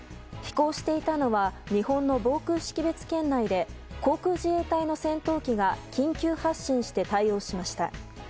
飛行していたのは日本の防空識別圏内で航空自衛隊の戦闘機が緊急発進して対応しました。